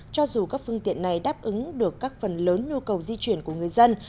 cho dù các phương tiện này đáp ứng được các phần lớn nhu cầu di chuyển của người dân